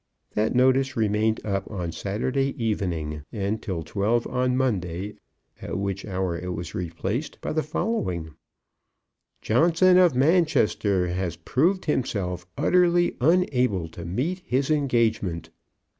That notice remained up on Saturday evening, and till twelve on Monday, at which hour it was replaced by the following: Johnson of Manchester has proved himself utterly unable to meet his engagement.